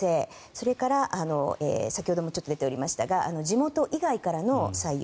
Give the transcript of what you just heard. それから先ほどもちょっと出ておりましたが地元以外からの採用。